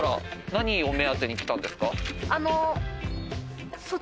何を目当てに来たんですか？